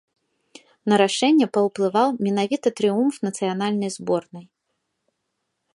На рашэнне паўплываў менавіта трыумф нацыянальнай зборнай.